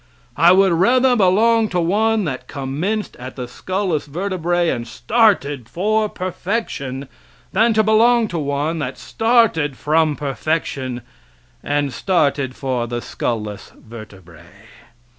I would rather belong to one that commenced at the skull less vertebrae and started for perfection, than to belong to one, that started from perfection and started for the skull less vertebrae.